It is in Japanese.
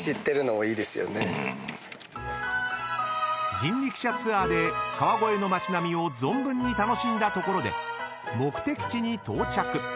［人力車ツアーで川越の町並みを存分に楽しんだところで目的地に到着］